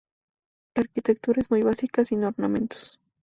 La arquitectura es muy básica, sin ornamentos.